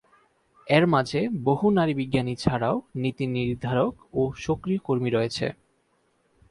এর মাঝে বহু নারী বিজ্ঞানী ছাড়াও নীতি-নির্ধারক ও সক্রিয় কর্মী রয়েছে।